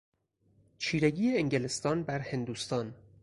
چیرگی انگلستان بر هندوستان